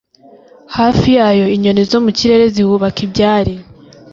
hafi yayo inyoni zo mu kirere zihubaka ibyari